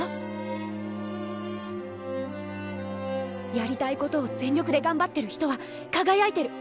やりたいことを全力で頑張ってる人は輝いてる！